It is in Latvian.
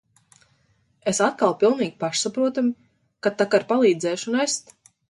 Es atkal pilnīgi pašsaprotami, ka tak ar palīdzēšu nest.